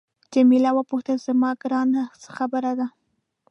جميله وپوښتل زما ګرانه څه خبره ده.